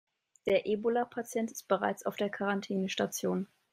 Der Ebola-Patient ist bereits auf der Quarantänestation.